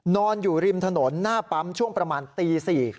นอนอยู่ริมถนนหน้าปั๊มช่วงประมาณตี๔